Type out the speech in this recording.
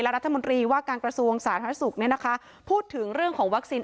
และรัฐมนตรีว่าการกระทรวงศาสนธรรมนี้นะคะพูดถึงเรื่องของวัคซีน